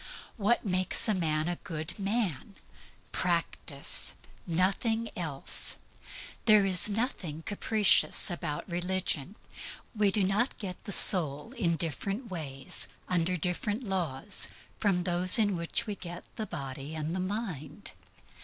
What makes a man a good man? Practice. Nothing else. There is nothing capricious about religion. We do not get the soul in different ways, under different laws, from those in which we get the body and the mind.